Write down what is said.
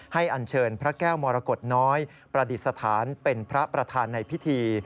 อันเชิญพระแก้วมรกฏน้อยประดิษฐานเป็นพระประธานในพิธี